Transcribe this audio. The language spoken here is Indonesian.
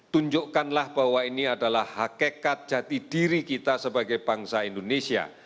tunjukkanlah bahwa ini adalah hakikat jati diri kita sebagai bangsa indonesia